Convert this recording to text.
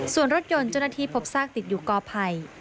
ส่วนรถยนต์เจ้าหน้าที่พบซากติดอยู่กอไผ่